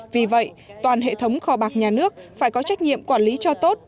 vì vậy toàn hệ thống kho bạc nhà nước phải có trách nhiệm quản lý cho tốt